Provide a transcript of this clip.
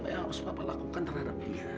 apa yang harus bapak lakukan terhadap dia